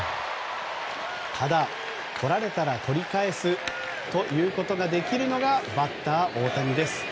ただ、取られたら取り返すということができるのがバッター、大谷です。